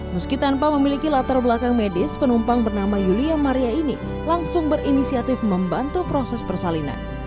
meski tanpa memiliki latar belakang medis penumpang bernama yulia maria ini langsung berinisiatif membantu proses persalinan